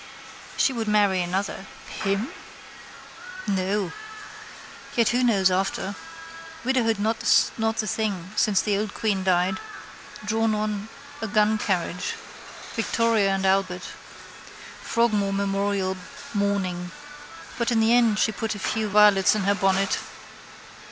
She would marry another. Him? No. Yet who knows after. Widowhood not the thing since the old queen died. Drawn on a guncarriage. Victoria and Albert. Frogmore memorial mourning. But in the end she put a few violets in her bonnet.